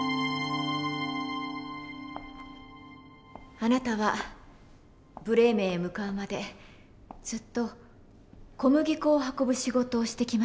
あなたはブレーメンへ向かうまでずっと小麦粉を運ぶ仕事をしてきましたね。